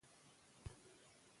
غابي خپل عیسوي دین ته ژمن پاتې دی.